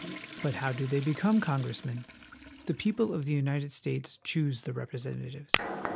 But how do they become congressmen ? The people of the United States choose the representatives.